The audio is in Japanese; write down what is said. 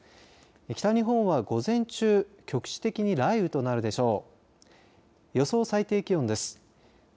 北日本は午前中局地的に雷雨となるでしょう。